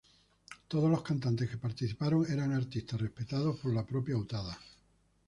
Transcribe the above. Todos los cantantes que participaron eran artistas respetados por la propia Utada.